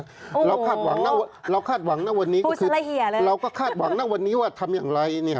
โอ้โฮพูดสะละเหี่ยเลยเราคาดหวังนะวันนี้ว่าทำอย่างไร